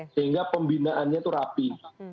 sehingga pembinaannya itu rapi